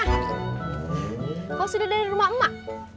kau sudah dari rumah emak